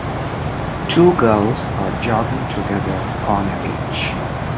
Two girls are jogging together on a beach.